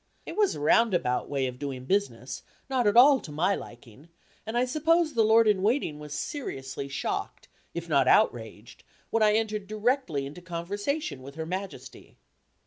It was a round about way of doing business not at all to my liking, and I suppose the Lord in Waiting was seriously shocked, if not outraged, when I entered directly into conversation with Her Majesty.